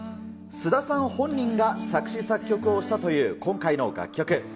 菅田さん本人が作詞・作曲をしたという今回の楽曲。